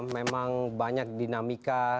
memang banyak dinamika